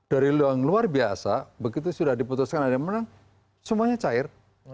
dari luar yang luar biasa begitu sudah diputuskan ada yang menang semuanya cair